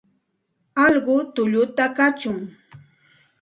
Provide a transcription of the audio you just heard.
Alqu tulluta kachun.